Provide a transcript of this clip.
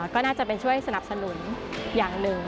ก็น่าจะเป็นช่วยสนับสนุนอย่างหนึ่ง